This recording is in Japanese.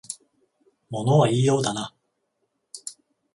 物は言いようだな